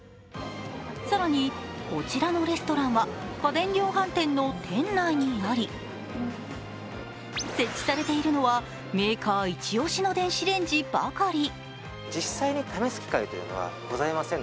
更にこちらのレストランは家電量販店の店内にあり、設置されているのはメーカーイチ押しの電子レンジばかり。